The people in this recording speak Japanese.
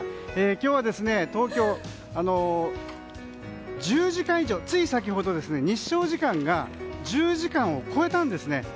今日の東京はつい先ほど日照時間が１０時間を超えたんですね。